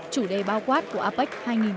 chủ đề bao quát của apec hai nghìn một mươi bảy